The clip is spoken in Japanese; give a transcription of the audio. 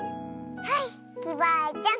はいきバアちゃん。